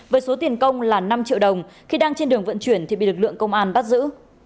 với số tiền công là năm triệu đồng khi đang trên đường vận chuyển thì bị lực lượng công an bắt giữ